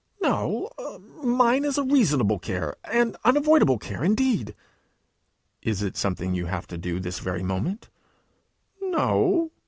'No; mine is a reasonable care an unavoidable care, indeed!' 'Is it something you have to do this very moment?' 'No.'